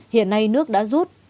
hiện nay nước đã rút